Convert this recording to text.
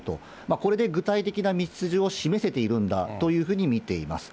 これで具体的な道筋を示せているんだというふうに見ています。